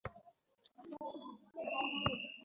মুয়ায বললেন, হে পিতা!